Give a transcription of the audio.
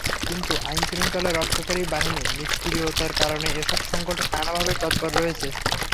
কিন্তু আইনশৃঙ্খলা রক্ষাকারী বাহিনীর নিষ্ক্রিয়তার কারণে এসব সংগঠন নানাভাবে তৎপর রয়েছে।